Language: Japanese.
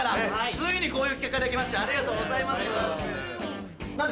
ついにこういう企画ができましたありがとうございます！